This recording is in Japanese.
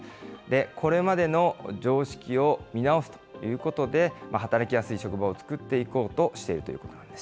これまでの常識を見直すということで、働きやすい職場を作っていこうとしているということなんです。